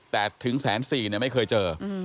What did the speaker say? แต่ถึง๑๔๐๐๐๐บาทไม่เคยเจอ